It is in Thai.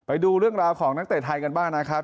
ไปดูเรื่องราวของนักเตะไทยกันบ้างนะครับ